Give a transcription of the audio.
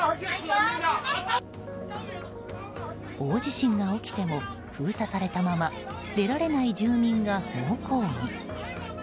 大地震が起きても封鎖されたまま出られない住民が猛抗議。